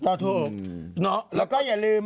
ตอบถูก